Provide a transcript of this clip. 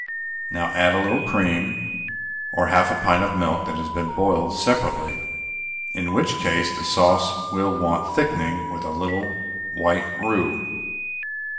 Now add a little cream, or half a pint of milk that has been boiled separately, in which case the sauce will want thickening with a little white roux.